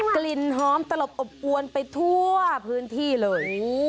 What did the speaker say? กลิ่นหอมตลบอบอวนไปทั่วพื้นที่เลย